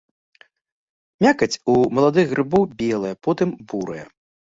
Мякаць у маладых грыбоў белая, потым бурая.